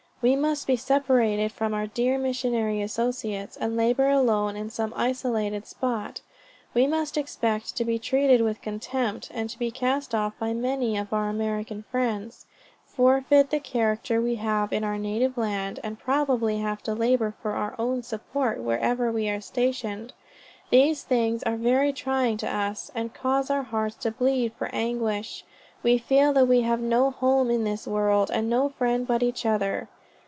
"We must be separated from our dear missionary associates, and labor alone in some isolated spot. We must expect to be treated with contempt, and to be cast off by many of our American friends forfeit the character we have in our native land, and probably have to labor for our own support wherever we are stationed." "These things are very trying to us, and cause our hearts to bleed for anguish we feel that we have no home in this world, and no friend but each other."